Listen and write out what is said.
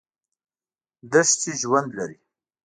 دښتې ژوند لري.